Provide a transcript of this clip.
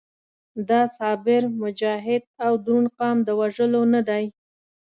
دا صابر، مجاهد او دروند قام د وژلو نه دی.